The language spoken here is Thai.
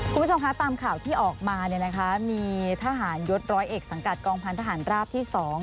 คุณผู้ชมคะตามข่าวที่ออกมาเนี่ยนะคะมีทหารยศร้อยเอกสังกัดกองพันธหารราบที่๒